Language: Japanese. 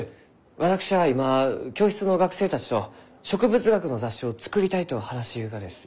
私は今教室の学生たちと植物学の雑誌を作りたいと話しゆうがです。